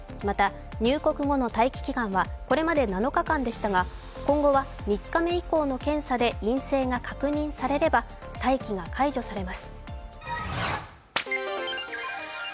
また入国後の待機期間はこれまで７日間でしたが、今後は、３日目以降の検査で陰性が確認されれば待機が解除されます。